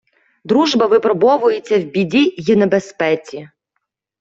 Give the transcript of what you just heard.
Дружба випробовується в біді й небезпеці.